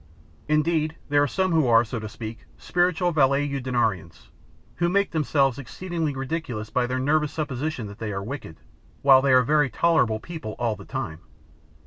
Indeed, there are some who are, so to speak, spiritual valetudinarians, and who make themselves exceedingly ridiculous by their nervous supposition that they are wicked, while they are very tolerable people all the time.